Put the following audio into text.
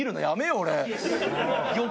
俺。